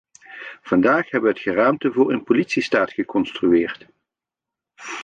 Vandaag hebben we het geraamte voor een politiestaat geconstrueerd.